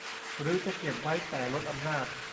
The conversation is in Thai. หรือจะเก็บไว้ แต่ลดอำนาจ